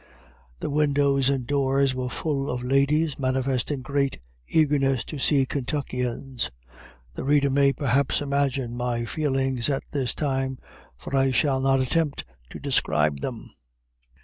The windows and doors were full of ladies, manifesting great eagerness to see Kentuckians. The reader may perhaps imagine my feelings at this time, for I shall not attempt to describe them.